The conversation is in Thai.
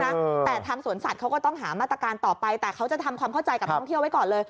แต่ทางสวนสัตว์เขาก็ต้องหามาตรการต่อไปแต่เขาจะทำความเข้าใจกับท่องเที่ยวไว้ก่อนเลย